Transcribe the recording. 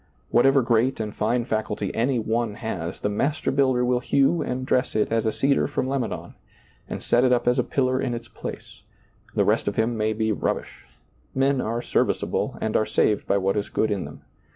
Whatever great and fine faculty any one has, the Master builder will hew and dress it as a cedar from Lebanon, and set it up as a pillar in its place ; the rest of him may be rub bish. Men are serviceable and are saved by what is good in them.